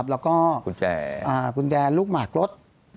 บุญแจบุญแจลูกหมากรด